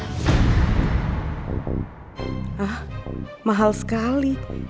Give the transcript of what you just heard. hah mahal sekali